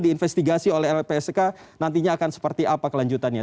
diinvestigasi oleh lpsk nantinya akan seperti apa kelanjutannya